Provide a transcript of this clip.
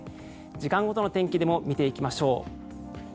時間ごとの天気でも見ていきましょう。